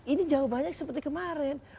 ini jawabannya seperti kemarin